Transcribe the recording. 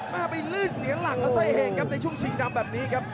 มาไปลืดเสียหลังแล้วใส่เหงครับในช่วงชิงดำแบบนี้ครับ